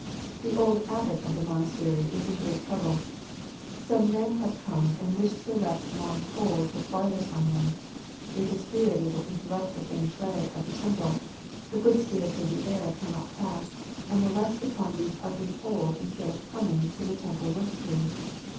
The old abbot of the monastery is in great trouble. Some men have come and wish to erect long poles with wires on them. It is feared it will interrupt the feng shui of the temple, the good spirits of the air cannot pass, and will rest upon these ugly poles instead of coming to the temple rooftree.